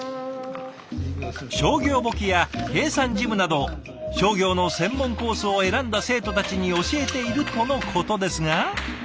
商業簿記や計算事務など商業の専門コースを選んだ生徒たちに教えているとのことですが。